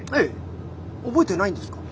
覚えてないんですか？